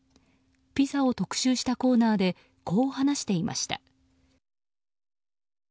ピザを特集したコーナーでこう話していました。